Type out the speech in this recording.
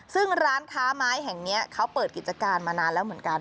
ซึ่งร้านค้าไม้แห่งนี้เขาเปิดกิจการมานานแล้วเหมือนกัน